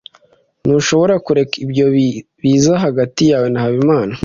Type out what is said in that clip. Ntushobora kureka ibyo biza hagati yawe na Habimana.